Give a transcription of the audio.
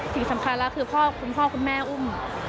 สิ่งสำคัญแล้วคือพ่อคุณพ่อคุณแม่อุ้ม